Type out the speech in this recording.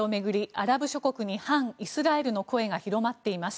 アラブ諸国に反イスラエルの声が広まっています。